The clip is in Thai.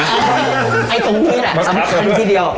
เอ่อลงลงลงอื้อไอ้ตรงนึงแหละสำคัญทีเดียว